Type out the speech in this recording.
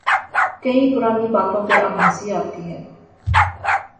کئی پرانی باتوں پہ اب ہنسی آتی ہے۔